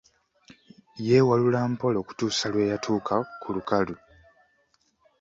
Yeewalula mpola okutuusa lwe yatuuka ku lukalu.